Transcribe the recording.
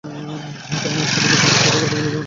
এতে আমার সাথে বেঈমানী করার কথা ভুলে যাব না।